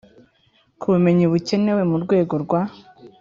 ku bumenyi bukenewe mu rwego rwa